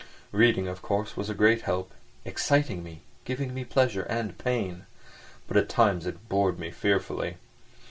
Reading, of course, was a great help—exciting me, giving me pleasure and pain. But at times it bored me fearfully.